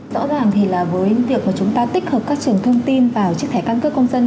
rõ ràng thì với việc chúng ta tích hợp các trường thông tin vào chiếc thẻ cân cước công dân